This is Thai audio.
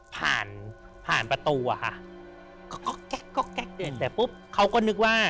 แต่ปุ๊บเขาก็นึกว่า